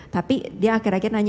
tapi dia akhir akhir nanya